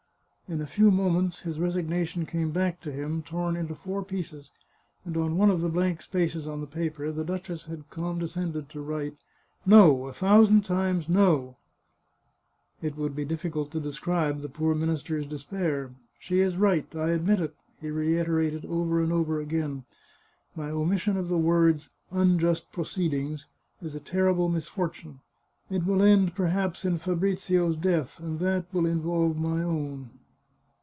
In a few moments his resignation came back to him, torn into four pieces, and on one of the blank spaces on the paper the duchess had con descended to write, " No ! a thousand times No !" It would be difficult to describe the poor minister's de spair. " She is right. I admit it," he reiterated over and over again. " My omission of the words * unjust proceed ings ' is a terrible misfortune. It will end, perhaps, in Fa brizio's death, and that will involve my own."